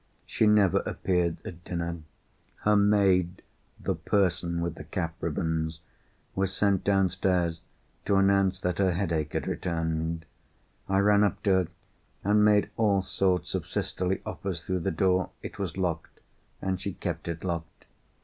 She never appeared at dinner. Her maid (the person with the cap ribbons) was sent downstairs to announce that her headache had returned. I ran up to her and made all sorts of sisterly offers through the door. It was locked, and she kept it locked.